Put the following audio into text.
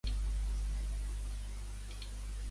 پارسا چہروں کی جو اس شوروغل میں بے نقاب ہوئی۔